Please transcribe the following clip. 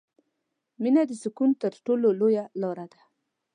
• مینه د سکون تر ټولو لویه لاره ده.